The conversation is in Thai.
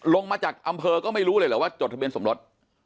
ลงมาจากอำเภอก็ไม่รู้เลยเหรอว่าจดทะเบียนสมรส